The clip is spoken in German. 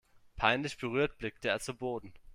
Peinlich berührt blickte er zu Boden.